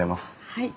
はい。